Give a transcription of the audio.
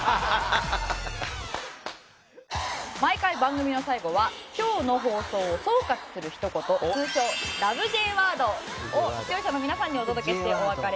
毎回番組の最後は今日の放送を総括するひと言通称「ラブ！！Ｊワード」を視聴者の皆さんにお届けしてお別れしています。